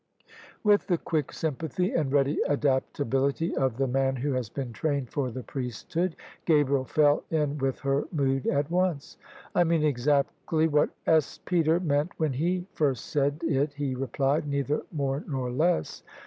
With the quick sympathy and ready adaptability of the man who has been trained for the priesthood, Gabriel fell in with her mood at once. " I mean exactly what S. Peter meant when he first said It," he replied :" neither more nor less.